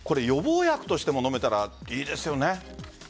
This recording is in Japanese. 予防薬としても飲めたらいいですよね。